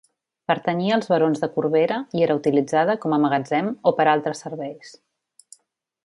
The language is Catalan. Pertanyia als barons de Corbera i era utilitzada com a magatzem o per altres serveis.